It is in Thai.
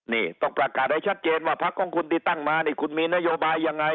นี่ต้องประกาศให้ชัดเจนว่าพักของคุณที่ตั้งมานี่คุณมีนโยบายยังไง